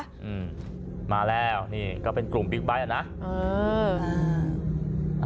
อืมมาแล้วนี่ก็เป็นกลุ่มบิ๊กไบท์อ่ะนะเออ